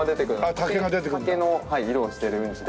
竹の色をしてるうんちで。